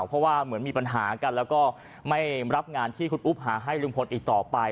เพราะว่าเหมือนมีปัญหากันแล้วก็ไม่รับงานที่คุณอุ๊บหาให้ลุงพลอีกต่อไป